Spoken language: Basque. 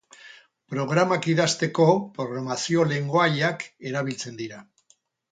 Programak idazteko programazio-lengoaiak erabiltzen dira.